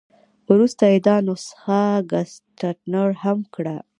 وروسته یې دا نسخه ګسټتنر هم کړه.